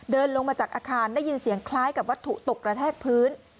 เดินลงมาจากอาคารได้ยินเสียงคล้ายกับวัตถุตกกระแทกพื้น